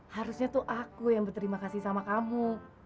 harusnya tuh aku yang berterima kasih sama kamu